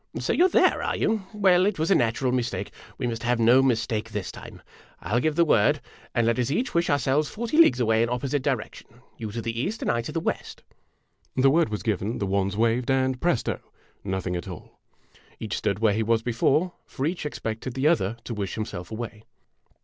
"So you 're there, are you? Well, it was a natural mistake! We must have no mistake this time. I '11 give the word, and let us each wish ourselves forty leagues away in opposite directions you to the east, I to the west." The word was given, the wands waved, and, presto! nothing at all ! Each stood where he was before, for each expected the other to wish himself away.